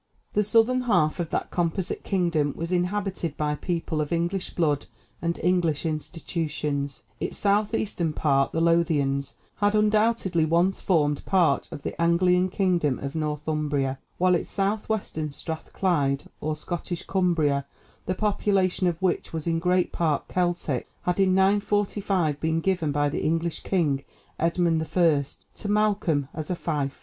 The southern half of that composite kingdom was inhabited by people of English blood and English institutions; its southeastern part, the Lothians, had undoubtedly once formed part of the Anglian kingdom of Northumbria; while its southwestern, Strathclyde or Scottish Cumbria, the population of which was in great part Celtic, had in 945 been given by the English king Edmund I. to Malcolm as a fief.